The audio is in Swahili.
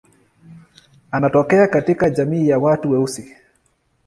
Anatokea katika jamii ya watu weusi.